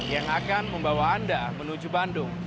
yang akan membawa anda menuju bandung